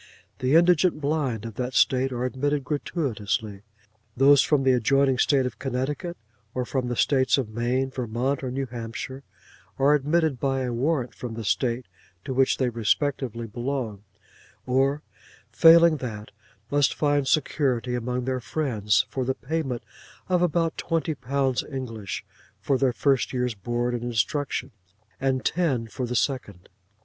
The indigent blind of that state are admitted gratuitously. Those from the adjoining state of Connecticut, or from the states of Maine, Vermont, or New Hampshire, are admitted by a warrant from the state to which they respectively belong; or, failing that, must find security among their friends, for the payment of about twenty pounds English for their first year's board and instruction, and ten for the second.